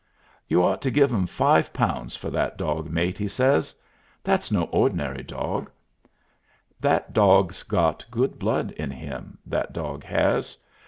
"You ought to give 'im five pounds for that dog, mate," he says; "that's no ordinary dog. That dog's got good blood in him, that dog has.